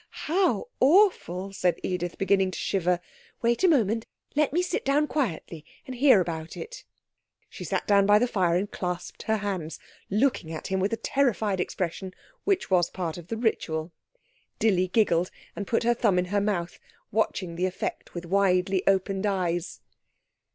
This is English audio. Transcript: How awful!' said Edith, beginning to shiver. 'Wait a moment let me sit down quietly and hear about it.' She sat down by the fire and clasped her hands, looking at him with a terrified expression which was part of the ritual. Dilly giggled, and put her thumb in her mouth, watching the effect with widely opened eyes.